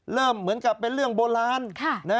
เหมือนกับเป็นเรื่องโบราณ